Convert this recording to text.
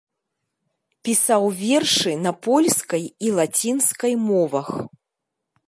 Пісаў вершы на польскай і лацінскай мовах.